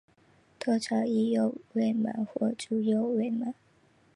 通称伊又卫门或猪右卫门。